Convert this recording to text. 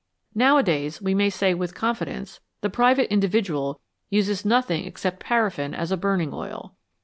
Nowadays, we may say with confidence, the private individual uses nothing except paraffin as a burning oil.